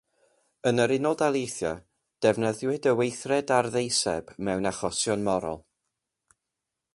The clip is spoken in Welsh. Yn yr Unol Daleithiau, defnyddiwyd y "weithred ar ddeiseb" mewn achosion morol.